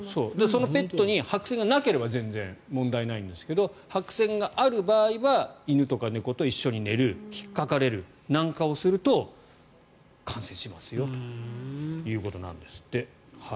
そのペットに白せんがなければ問題ないんですが白せんがある場合は犬とか猫と一緒に寝る引っかかれるなんかをすると感染しますよということなんですって。